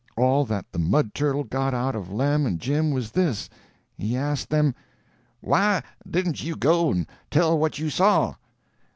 All that the mud turtle got out of Lem and Jim was this: he asked them: "Why didn't you go and tell what you saw?"